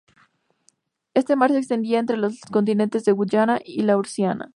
Este mar se extendía entre los continentes de Gondwana y Laurasia.